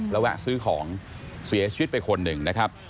แล้วแวะซื้อของเสียชีวิตไปคนหนึ่งนะครับ